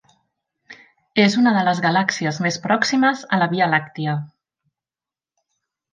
És una de les galàxies més pròximes a la Via Làctia.